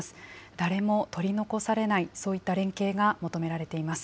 誰も取り残されない、そういった連携が求められています。